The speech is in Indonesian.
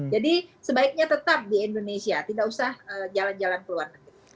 jadi sebaiknya tetap di indonesia tidak usah jalan jalan ke luar negeri